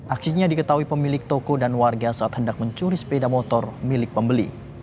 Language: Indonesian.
aksinya diketahui pemilik toko dan warga saat hendak mencuri sepeda motor milik pembeli